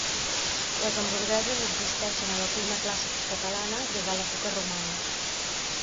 Les hamburgueses existeixen a la cuina clàssica catalana des de l'època romana.